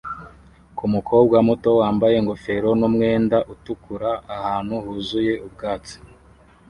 ku mukobwa muto wambaye ingofero n'umwenda utukura ahantu huzuye ubwatsi